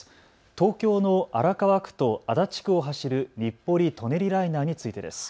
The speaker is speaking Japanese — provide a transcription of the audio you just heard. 東京の荒川区と足立区を走る日暮里・舎人ライナーについてです。